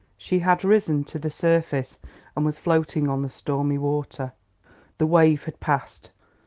She had risen to the surface and was floating on the stormy water. The wave had passed.